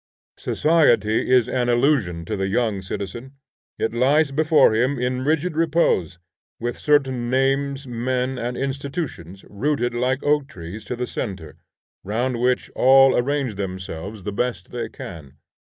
Society is an illusion to the young citizen. It lies before him in rigid repose, with certain names, men and institutions rooted like oak trees to the centre, round which all arrange themselves the best they can.